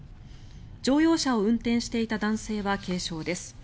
乗用車を運転していた男性は軽傷です。